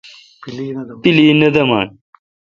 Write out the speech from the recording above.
پیلی نہ دمان۔